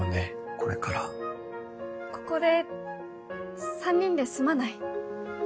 これからここで３人で住まない？